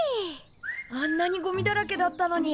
あんなにゴミだらけだったのに。